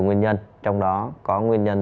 nguyên nhân trong đó có nguyên nhân